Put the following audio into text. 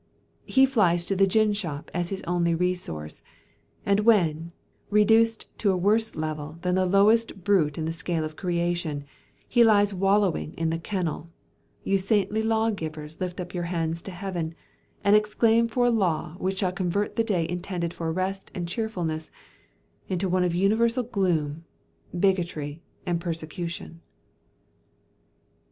He flies to the gin shop as his only resource; and when, reduced to a worse level than the lowest brute in the scale of creation, he lies wallowing in the kennel, your saintly lawgivers lift up their hands to heaven, and exclaim for a law which shall convert the day intended for rest and cheerfulness, into one of universal gloom, bigotry, and persecution.